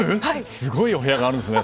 すごいお部屋があるんですね。